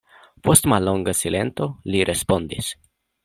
Post mallonga silento, li respondis: